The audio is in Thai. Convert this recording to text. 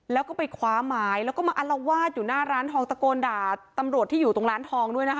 แล้วก็ไปคว้าไม้แล้วก็มาอัลวาดอยู่หน้าร้านทองตะโกนด่าตำรวจที่อยู่ตรงร้านทองด้วยนะคะ